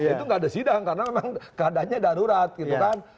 itu nggak ada sidang karena memang keadaannya darurat gitu kan